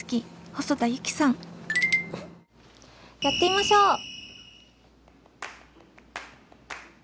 やってみましょう！